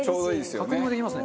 確認もできますね。